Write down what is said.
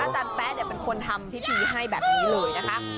อาจารย์แป๊ะเป็นคนทำพิธีให้แบบนี้เลยนะคะ